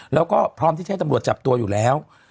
แล้วก็พร้อมที่จะให้ตำรวจจับตัวอยู่แล้ว